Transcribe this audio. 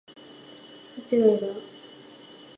人違いだ。